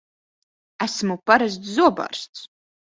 Esmu parasts zobārsts!